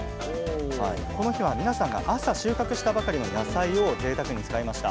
この日は皆さんが朝収穫したばかりの野菜をぜいたくに使いました。